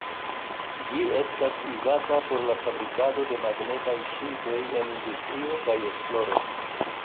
Ĝi estas uzata por la fabrikado de magnetaj ŝildoj en industrio kaj esploro.